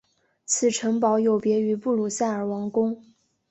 此城堡有别于布鲁塞尔王宫。